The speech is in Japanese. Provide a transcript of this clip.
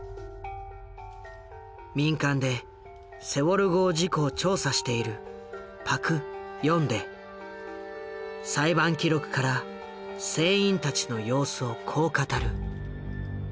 民間でセウォル号事故を調査している裁判記録から船員たちの様子をこう語る。